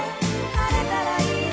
「晴れたらいいね」